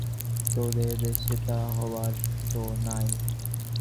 তোদের দেশে তা হবার যো নাই।